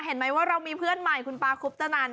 เห็นไหมว่าเรามีเพื่อนใหม่คุณปาคุปตนัน